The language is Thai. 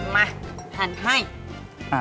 มาหันให้